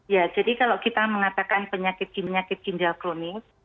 ya jadi kalau kita mengatakan penyakit ginjal kronik